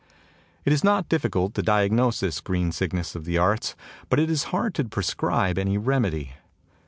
It is not difficult to diagnose this green sickness of the arts but it is hard to prescribe any remedy.